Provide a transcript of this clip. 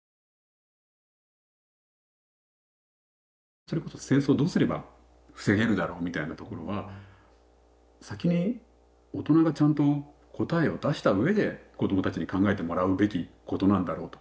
それこそ戦争どうすれば防げるだろうみたいなところは先に大人がちゃんと答えを出したうえで子どもたちに考えてもらうべきことなんだろうと。